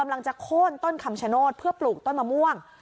จะโค้นต้นคำชโนธเพื่อปลูกต้นมะม่วง